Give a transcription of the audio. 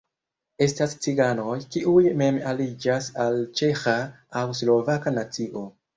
Estas ciganoj, kiuj mem aliĝas al ĉeĥa, aŭ slovaka nacio.